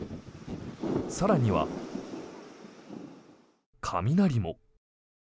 更には雷も。